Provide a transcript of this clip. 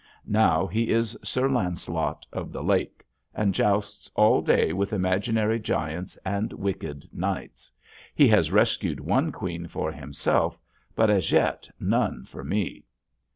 Now he is Sir Lancelot of the Lake and jousts all day with imaginary giants and wicked knights. He has rescued one queen for himself but as yet none for me.